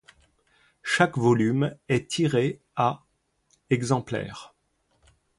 Chaque volume est tiré à exemplaires.